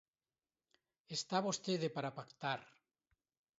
¡Está vostede para pactar!